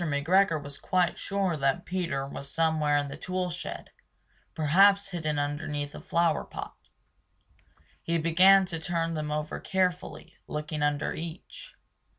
McGregor was quite sure that Peter was somewhere in the tool shed, perhaps hidden underneath a flower pot. He began to turn them over carefully, looking under each.